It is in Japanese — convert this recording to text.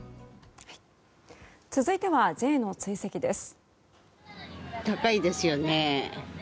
続いてはＪの追跡です。